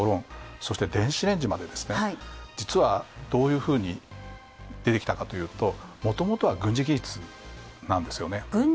そして、電子レンジまで、実はどういうふうに出てきたかというともともとは軍事技術なんですよね。